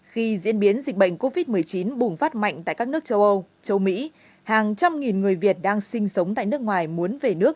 khi diễn biến dịch bệnh covid một mươi chín bùng phát mạnh tại các nước châu âu châu mỹ hàng trăm nghìn người việt đang sinh sống tại nước ngoài muốn về nước